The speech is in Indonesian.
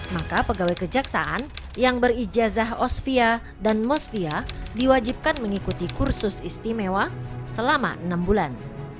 maka pegawai kejaksaan yang berijazah osvia dan mosvia diwajibkan mengikuti kursus istimewa selama enam bulan